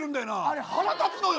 あれ腹立つのよ。